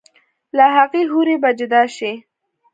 لۀ هغې حورې به جدا شي